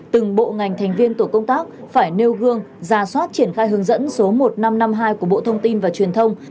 từng bộ ngành thành viên tổ công tác phải nêu gương ra soát triển khai hướng dẫn số một nghìn năm trăm năm mươi hai của bộ thông tin và truyền thông